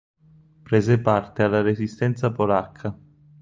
Prese parte alla Resistenza polacca.